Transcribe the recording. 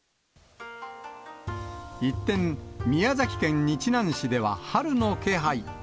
一転、宮崎県日南市では春の気配。